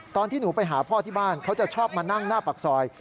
ตอนที่หนูไปหาพ่อที่บ้านเขาจะชอบมานั่งหน้าปากซอย